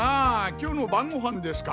今日の晩ご飯ですか？